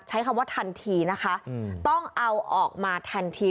ใช้คำว่าทันทีนะคะต้องเอาออกมาทันที